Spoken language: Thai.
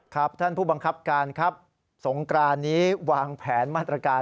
ครับท่านผู้บังคับการครับสงกรานนี้วางแผนมาตรการ